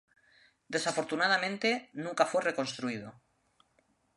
Desafortunadamente, nunca fue reconstruido.